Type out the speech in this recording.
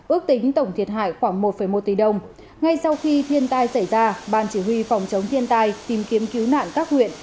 ước tính tổng thiệt hại khoảng một một tỷ đồng ngay sau khi thiên tai xảy ra ban chỉ huy phòng chống thiên tai tìm kiếm cứu nạn các huyện